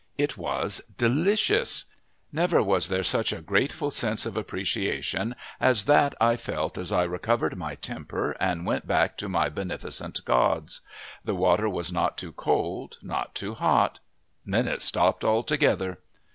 It was delicious. Never was there such a grateful sense of appreciation as that I felt as I recovered my temper and went back to my beneficent gods. The water was not too cold, not too hot. Then it stopped altogether.